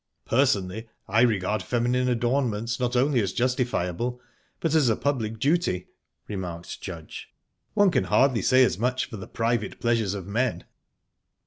"Personally, I regard feminine adornment not only as justifiable, but as a public duty," remarked Judge. "One can hardly say as much for the private pleasures of men."